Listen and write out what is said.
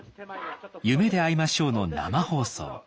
「夢であいましょう」の生放送。